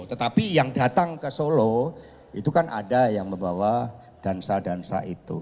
tetapi yang datang ke solo itu kan ada yang membawa dansa dansa itu